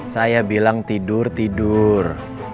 saya bilang tidur tidur